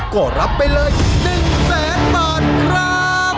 ก็รับไปเลย๑แสนบาทครับ